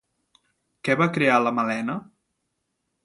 Què va crear la Malena?